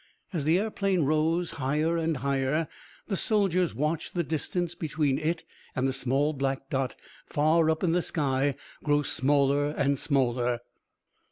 As the aeroplane rose higher and higher, the soldiers watched the distance between it and the small black dot far up in the sky grow smaller and smaller.